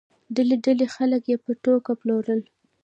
ډلې ډلې خلک یې په توګه پلورل.